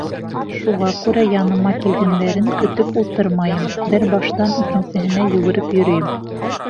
Шуға күрә яныма килгәндәрен көтөп ултырмайым, бер баштан икенсеһенә йүгереп йөрөйөм.